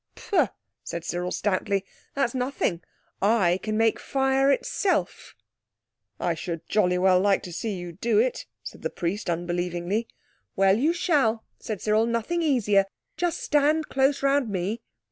"Pooh!" said Cyril stoutly, "that's nothing. I can make fire itself!" "I should jolly well like to see you do it," said the priest unbelievingly. "Well, you shall," said Cyril, "nothing easier. Just stand close round me."